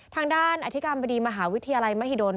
ทางด้านอธิการบดีมหาวิทยาลัยมหิดล